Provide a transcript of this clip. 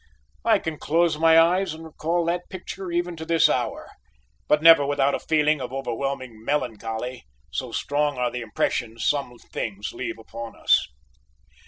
I can close my eyes and recall that picture even to this hour, but never without a feeling of overwhelming melancholy; so strong are the impressions some things leave upon us.